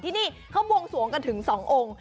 ที่นี่เขาบวงสวงกันถึง๒องค์